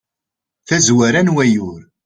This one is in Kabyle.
tazwara n wayyur